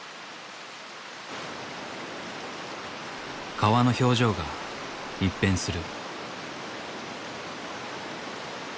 川の表情が一変する。